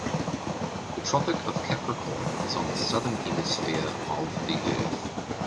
The Tropic of Capricorn is on the Southern Hemisphere of the earth.